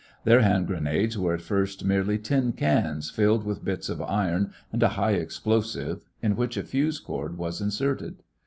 Their hand grenades were at first merely tin cans filled with bits of iron and a high explosive in which a fuse cord was inserted.